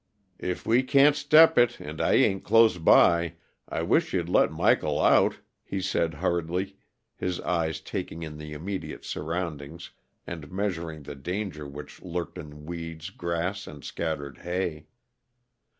"If we can't step it, and I ain't close by, I wish you'd let Michael out," he said hurriedly, his eyes taking in the immediate surroundings and measuring the danger which lurked in weeds, grass, and scattered hay.